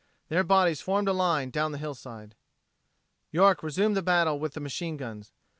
Their bodies formed a line down the hillside. York resumed the battle with the machine guns.